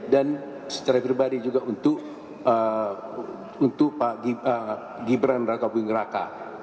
dan secara pribadi juga untuk pak gibran raka buing raka